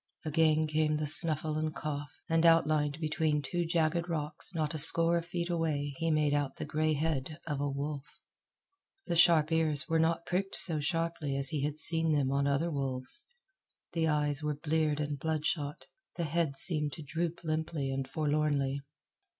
Again came the snuffle and cough, and outlined between two jagged rocks not a score of feet away he made out the gray head of a wolf. The sharp ears were not pricked so sharply as he had seen them on other wolves; the eyes were bleared and bloodshot, the head seemed to droop limply and forlornly.